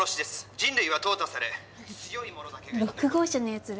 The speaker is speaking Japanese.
人類は淘汰され強い者だけが６号車のやつら